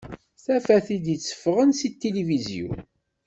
Tafatin d-itteffɣen si tilifizyu.